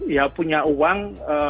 ya punya uang